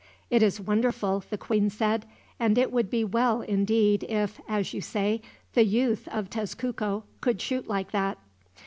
"It is wonderful," the queen said; "and it would be well indeed if, as you say, the youth of Tezcuco could shoot like that."